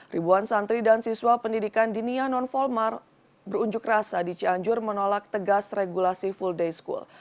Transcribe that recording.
ribuan santri dan siswa pendidikan dinia non formal berunjuk rasa di cianjur menolak tegas regulasi full day school